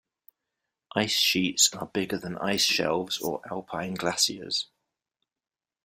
Ice sheets are bigger than ice shelves or alpine glaciers.